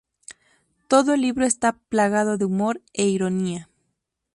Todo el libro está plagado de humor e ironía.